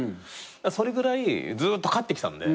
それぐらいずっと勝ってきたんで。